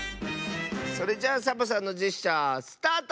それじゃあサボさんのジェスチャースタート！